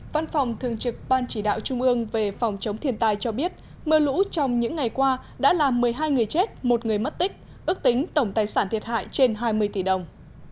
văn phòng thường trực ban chỉ đạo trung ương về phòng chống thiên tai cho biết mưa lũ trong những ngày qua đã làm một mươi hai người chết một người mất tích ước tính tổng tài sản thiệt hại trên hai mươi tỷ đồng